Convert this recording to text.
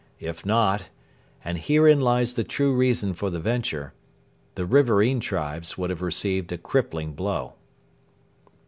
If not and herein lies the true reason for the venture the riverain tribes would have received a crippling blow.